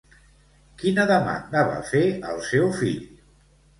Quina demanda va fer al seu fill?